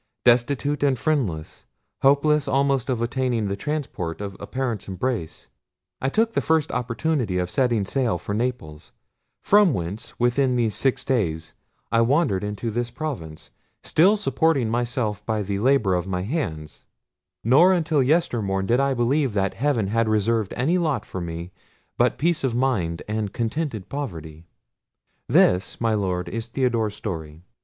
Destitute and friendless, hopeless almost of attaining the transport of a parent's embrace, I took the first opportunity of setting sail for Naples, from whence, within these six days, I wandered into this province, still supporting myself by the labour of my hands; nor until yester morn did I believe that heaven had reserved any lot for me but peace of mind and contented poverty. This, my Lord, is Theodore's story.